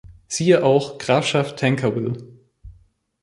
Siehe auch: Grafschaft Tancarville